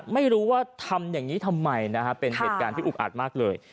ไม่รู้ว่าทำอย่างนี้ทำไมนะฮะเป็นเหตุการณ์ที่อุกอัดมากเลย